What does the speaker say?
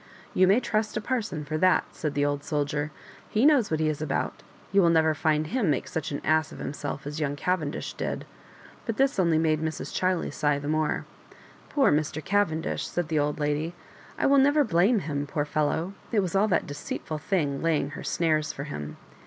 " You may trust a parson for that," said the old soldier. "He knows what he is about. You will never find him make such an ass of Digitized by VjOOQIC MISS MAIUrOBIBAl!rE:S. himself as young Cavendish did." But this only made Mrs. Chiley sigh the more. "Poor Mr. Cavendish I" said the old lady. "I will never blame him, poor fellow. It was all that deceitful thing laying her snares for him.